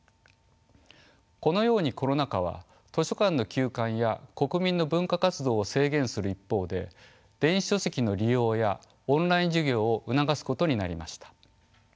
このようにコロナ禍は図書館の休館や国民の文化活動を制限する一方で電子書籍の利用やオンライン授業を促すことになりました。